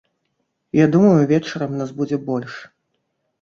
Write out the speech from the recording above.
Я думаю, вечарам нас будзе больш.